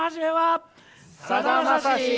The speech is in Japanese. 「さだまさし」！